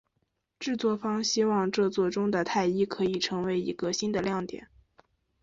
制作方希望这作中的泰伊可以成为一个新的亮点。